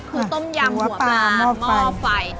คือต้มยำหัวปลาหม้อไฟ